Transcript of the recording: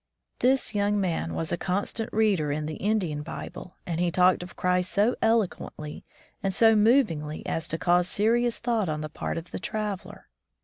This young man was a constant reader in his Indian Bible, and he talked of Christ so eloquently and so movingly as to cause serious thought on the part of the traveler.